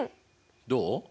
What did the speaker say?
どう？